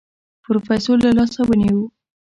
پروفيسر له لاسه ونيو.